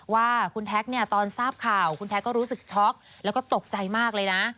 ว่าคุณแท็กเนี่ยตอนทราบข่าวคุณแท็กก็รู้สึกช็อกแล้วก็ตกใจมากเลยนะ